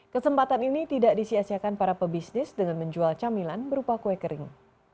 kesempatan ini tidak disiasiakan para pebisnis dengan menjual camilan berupa kue kering